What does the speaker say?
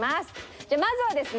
じゃあまずはですね